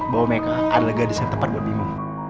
bahwa meka adalah gadis yang tepat buat bimu